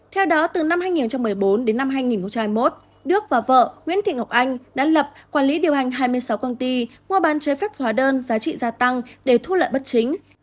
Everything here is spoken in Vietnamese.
theo đó từ năm hai nghìn một mươi bốn đến năm hai nghìn hai mươi một đức và vợ nguyễn thị ngọc anh đã lập quản lý điều hành hai mươi sáu công ty mua bán chế phép hóa đơn giá trị gia tăng để thu lợi bất chính